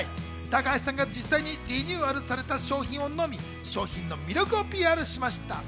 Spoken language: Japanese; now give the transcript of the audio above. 高橋さんが実際にリニューアルされた商品を飲み、商品の魅力をＰＲしました。